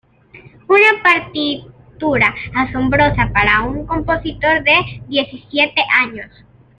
Una partitura asombrosa para un compositor de diecisiete años.